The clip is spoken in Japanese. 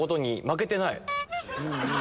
負けてない？